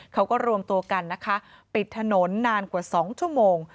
เขาก็รวมตัวกันนะคะปิดถนนนานกว่า๒ชั่วโมง